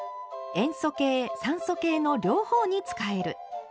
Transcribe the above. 「塩素系酸素系の両方に使える」。